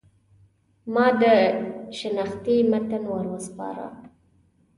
ما د شنختې متن ور وسپاره.